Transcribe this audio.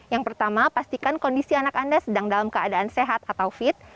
yang pertama pastikan kondisi anak anda sedang dalam keadaan sehat atau fit